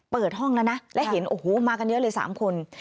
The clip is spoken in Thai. เปิดห้องแล้วนะแล้วเห็นโอ้โหมากันเยอะเลย๓คน